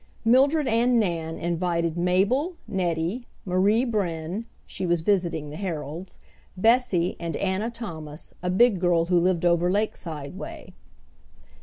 Mildred and Nan invited Mabel, Nettie, Marie Brenn (she was visiting the Herolds), Bessie, and Anna Thomas, a big girl who lived over Lakeside way.